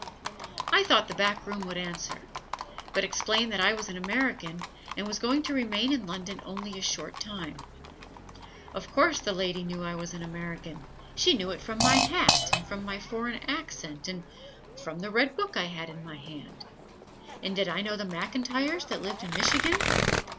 I thought the back room would answer; but explained that I was an American and was going to remain in London only a short time. Of course the lady knew I was an American: she knew it from my hat and from my foreign accent and from the red book I had in my hand. And did I know the McIntyres that lived in Michigan?